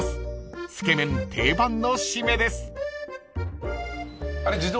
［つけ麺定番の締めです］